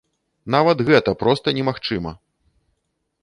Нават гэта проста немагчыма!